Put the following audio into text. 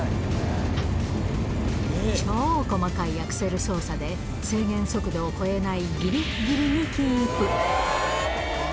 超細かいアクセル操作で、制限速度を超えない、ぎりっぎりにキープ。